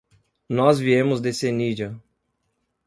Nós viemos de Senija.